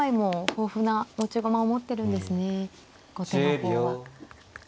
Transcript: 後手の方は。